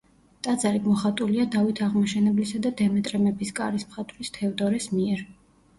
ტაძარი მოხატულია დავით აღმაშენებლისა და დემეტრე მეფის კარის მხატვრის თევდორეს მიერ.